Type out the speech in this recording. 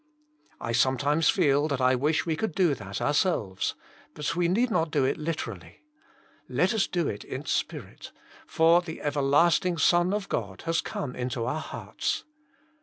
1 sometimes feel that I wish we could do that ourselves ; but we need not do it literally. Let us do it in spirit, for the everlasting Son of God has come into our hearts.